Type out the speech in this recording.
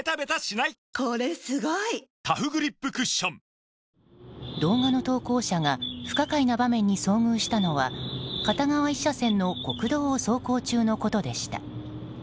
味の素の「コンソメ」動画の投稿者が不可解な場面に遭遇したのは片側１車線の国道を走行中のことでした。